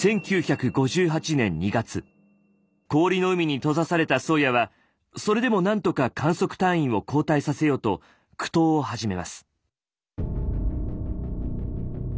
氷の海に閉ざされた「宗谷」はそれでも何とか観測隊員を交代させようと苦闘を始めます。